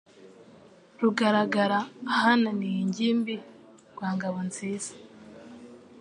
Rugaragara ahananiye ingimbi rwa Ngabo nziza